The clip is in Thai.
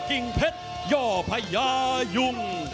จิงเพชรโยะพญายุง